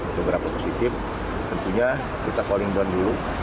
untuk berapa positif tentunya kita calling down dulu